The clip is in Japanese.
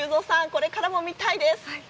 これからも見たいです！